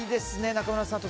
中村さんと。